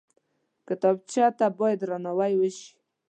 کتابچه ته باید درناوی وشي